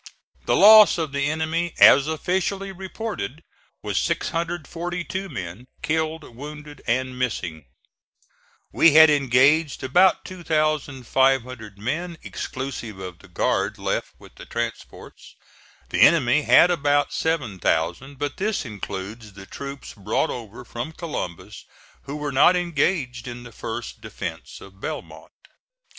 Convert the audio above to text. The loss of the enemy, as officially reported, was 642 men, killed, wounded and missing. We had engaged about 2,500 men, exclusive of the guard left with the transports. The enemy had about 7,000; but this includes the troops brought over from Columbus who were not engaged in the first defence of Belmont.